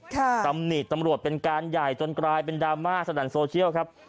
ตำหนิตำรวจเป็นการใหญ่จนกลายเป็นดราม่าสนั่นโซเชียลครับ